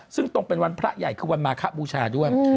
ซึ่งตรงเป็นวันพระใหญ่คือวันมาคบูชาด้วย